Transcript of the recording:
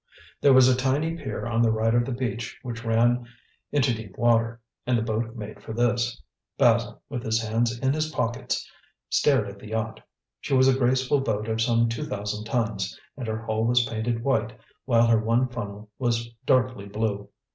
There was a tiny pier on the right of the beach which ran into deep water, and the boat made for this. Basil, with his hands in his pockets, stared at the yacht. She was a graceful boat of some two thousand tons, and her hull was painted white while her one funnel was darkly blue.